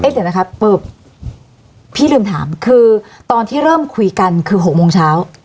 เดี๋ยวนะคะพี่ลืมถามคือตอนที่เริ่มคุยกันคือ๖โมงเช้า